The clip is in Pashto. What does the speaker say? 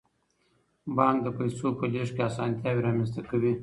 بانک د پیسو په لیږد کې اسانتیاوې رامنځته کوي.